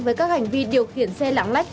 với các hành vi điều khiển xe lãng lách